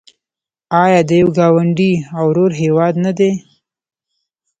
آیا د یو ګاونډي او ورور هیواد نه دی؟